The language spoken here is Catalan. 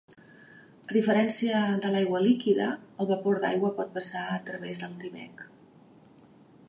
A diferència de l'aigua líquida, el vapor d'aigua pot passar a través del Tyvek.